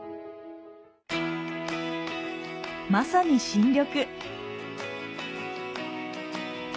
まさに新緑。